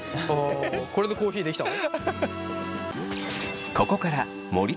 これでコーヒーできたの？